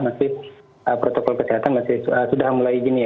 masih protokol kesehatan sudah mulai gini ya